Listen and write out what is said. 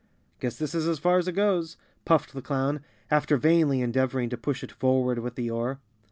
"Guess this is as far as it goes," puffed the clown, after vainly endeavoring to push it forward with the oar.